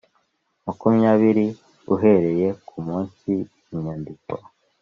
makumyabiri uhereye ku munsi inyandiko